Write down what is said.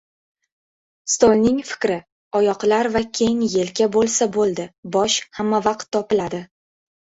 Stolning fikri: oyoqlar va keng yelka bo‘lsa bo‘ldi, bosh hammavaqt topiladi.